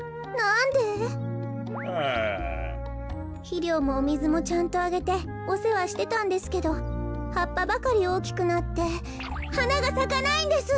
ひりょうもおみずもちゃんとあげておせわしてたんですけどはっぱばかりおおきくなってはながさかないんです。